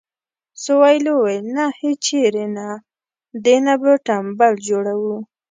سویلو وویل نه هیچېرې نه دې نه به تمبل جوړوو.